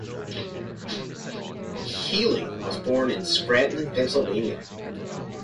Keeling was born in Scranton, Pennsylvania.